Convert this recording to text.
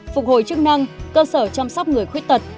phục hồi chức năng cơ sở chăm sóc người khuyết tật